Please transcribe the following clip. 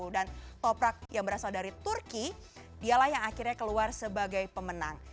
dan toprak yang berasal dari turki dialah yang akhirnya keluar sebagai pemenang